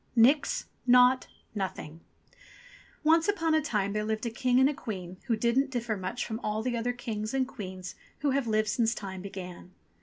NIX NAUGHT NOTHING ONCE upon a time there lived a King and a Queen who didn't differ much from all the other kings and queens who have lived since Time began.